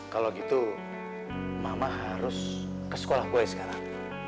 kalau gitu mama harus ke sekolah gue sekarang